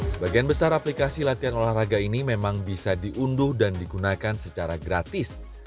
sebagian besar aplikasi latihan olahraga ini memang bisa diunduh dan digunakan secara gratis